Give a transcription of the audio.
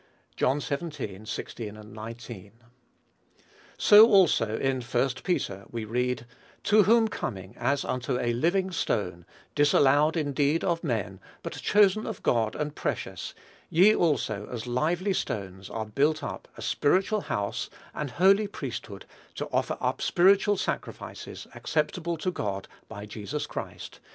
(John xvii. 16, 19.) So, also, in 1 Peter, we read, "To whom coming, as unto a living stone, disallowed indeed of men, but chosen of God and precious; ye also, as lively stones, are built up a spiritual house, an holy priesthood, to offer up spiritual sacrifices, acceptable to God by Jesus Christ."